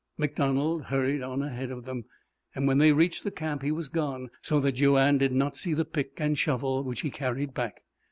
MacDonald hurried on ahead of them. When they reached the camp he was gone, so that Joanne did not see the pick and shovel which he carried back.